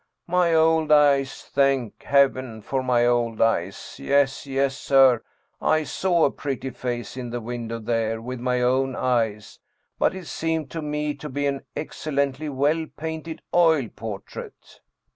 My old eyes thank Heaven for my old eyes ! Yes, yes, sir. I saw a pretty face in the window there, with my own eyes; but it seemed to me to be an excellently well painted oil portrait."